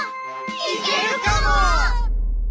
いけるかも！